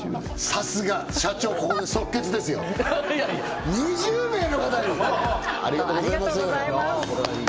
さすが社長ここで即決ですよ２０名の方にありがとうございますホテルのレストランの料理